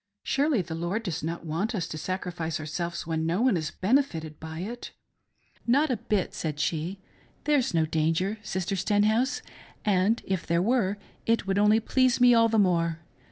"Surely the Lord does not want us to sacrifice ourselves when no one is benefitted by it .'"" Not a bit," said she, " there's no danger. Sister Stenhouse, and if there were it would only please me all the more.